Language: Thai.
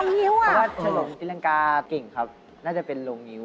น่าจะเกิดขึ้นมาแก่รงิ้ว